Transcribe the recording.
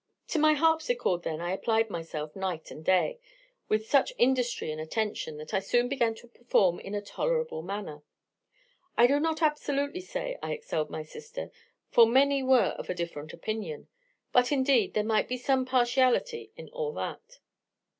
"To my harpsichord then I applied myself night and day, with such industry and attention, that I soon began to perform in a tolerable manner. I do not absolutely say I excelled my sister, for many were of a different opinion; but, indeed, there might be some partiality in all that.